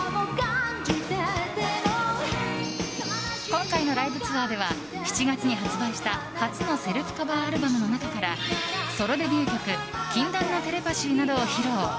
今回のライブツアーでは７月に発売した初のセルフカバーアルバムの中からソロデビュー曲「禁断のテレパシー」などを披露。